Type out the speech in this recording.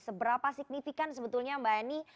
seberapa signifikan sebetulnya mbak eni